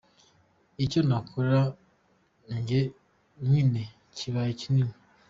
Icyo nakoraga njye nyine kibaye kinini’.